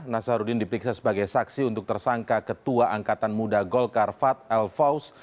nasaruddin diperiksa sebagai saksi untuk tersangka ketua angkatan muda golkar fad el faus